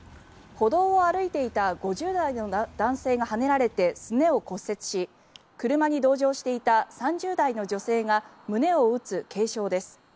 歩道を歩いていた５０代の男性がはねられて、すねを骨折し車に同乗していた３０代の女性が胸を打つ軽傷です。